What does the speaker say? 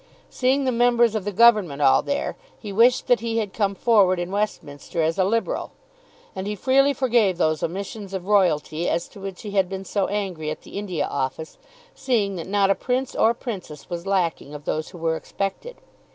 Seeing the members of the Government all there, he wished that he had come forward in Westminster as a Liberal. And he freely forgave those omissions of Royalty as to which he had been so angry at the India Office, seeing that not a Prince or Princess was lacking of those who were expected.